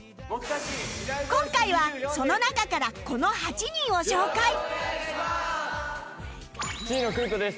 今回はその中からこの８人を紹介千井野空翔です。